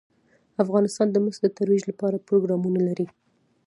افغانستان د مس د ترویج لپاره پروګرامونه لري.